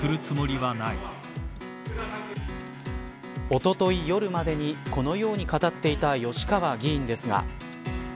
おととい夜までにこのように語っていた吉川議員ですが。